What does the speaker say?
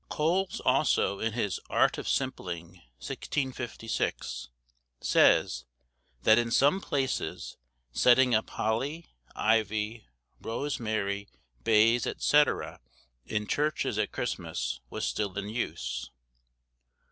Coles also, in his 'Art of Simpling,' 1656, says, that in some places setting up holly, ivy, rosemary, bays, &c. in churches at Christmas, was still in use.